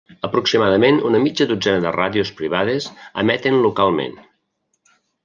Aproximadament una mitja dotzena de ràdios privades emeten localment.